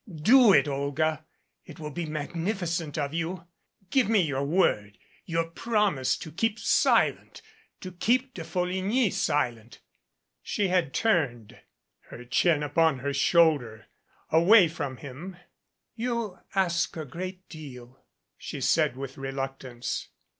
Do it, Olga. It will be magnificent of you. Give me your word your promise to keep silent to keep De Folligny silent" She had turned, her chin upon her shoulder, away from him. "You ask a great deal," she said with reluctance.